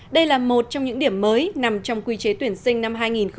đây là một trong những điểm mới nằm trong quy chế tuyển sinh năm hai nghìn một mươi bảy